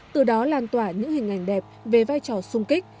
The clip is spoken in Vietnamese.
từ đó lan tỏa những hình ảnh đẹp về vai trò sung kích